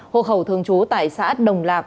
hộ khẩu thường trú tại xã đồng lạc